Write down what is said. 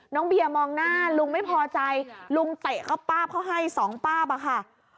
เบียร์มองหน้าลุงไม่พอใจลุงเตะเขาป้าบเขาให้สองป้าบอะค่ะ